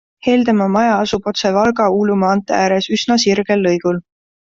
Heldemaa maja asub otse Valga-Uulu maantee ääres üsna sirgel lõigul.